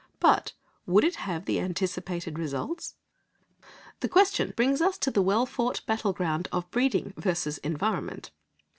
But would it have the anticipated results? The question brings us to the well fought battle ground of breeding versus environment.